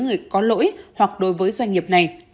người có lỗi hoặc đối với doanh nghiệp này